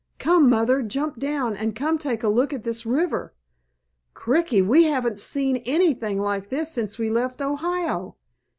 "Come, Mother, jump down and come take a look at this river! Cricky, we haven't seen anything like this since we left Ohio.